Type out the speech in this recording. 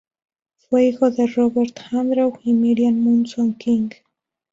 Fue hijo de Robert Andrew y Miriam Munson King.